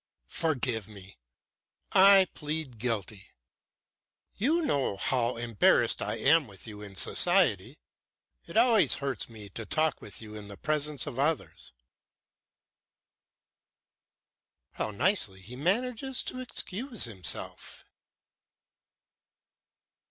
"Forgive me! I plead guilty. You know how embarrassed I am with you in society. It always hurts me to talk with you in the presence of others." "How nicely he manages to excuse himself!"